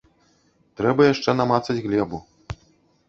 Трэба яшчэ намацаць глебу.